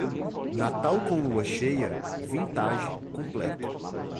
Natal com lua cheia, vintage completo.